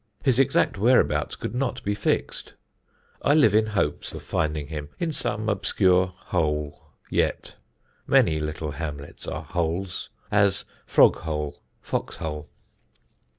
His exact whereabouts could not be fixed. I live in hopes of finding him in some obscure 'Hole' yet (many little hamlets are 'Holes,' as Froghole, Foxhole).